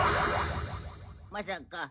まさか。